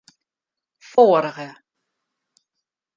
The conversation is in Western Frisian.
Foarige.